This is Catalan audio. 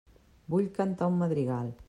Vull cantar un madrigal.